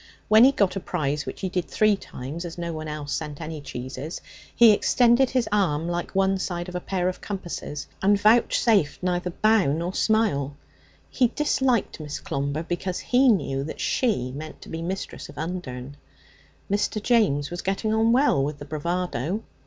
When he got a prize, which he did three times, no one else having sent any cheeses, he extended his arm like one side of a pair of compasses, and vouchsafed neither bow nor smile. He disliked Miss Clomber because he knew that she meant to be mistress of Undern. Mr. James was getting on well with the bravado.